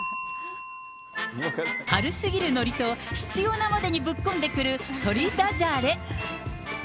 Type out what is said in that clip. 軽すぎる乗りと、執ようなまでにぶっこんでくる鳥ダジャレ。